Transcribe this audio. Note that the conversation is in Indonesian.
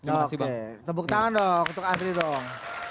oke tepuk tangan dong untuk andri dong